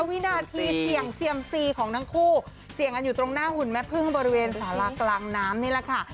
วินาทีเสี่ยงเซียมซีของทั้งคู่เสี่ยงกันอยู่ตรงหน้าหุ่นแม่พึ่งบริเวณสารากลางน้ำนี่แหละค่ะ